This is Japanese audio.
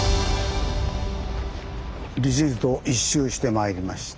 利尻島一周してまいりました。